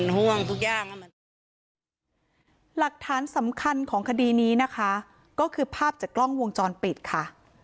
หลักฐานสำคัญของคดีนี้นะคะก็คือภาพจากกล้องวงจรปิดค่ะ